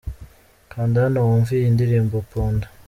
Kanda hano wumve iyi ndirimbo 'Punda' .